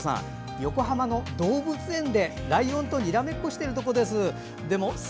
横浜の動物園でライオンとにらめっこしているところです。